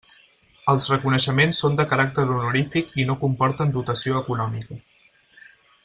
Els reconeixements són de caràcter honorífic i no comporten dotació econòmica.